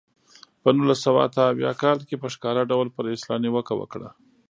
په نولس سوه اته اویا کال کې په ښکاره ډول پر اصطلاح نیوکه وکړه.